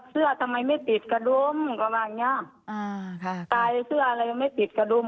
ทำไมไม่ติดกระดุมก็ว่าอย่างเงี้ยอ่าค่ะตายเสื้ออะไรไม่ติดกระดุม